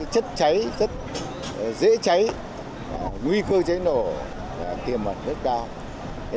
chất cháy rất dễ cháy nguy cơ cháy nổ tiềm mẩn rất đau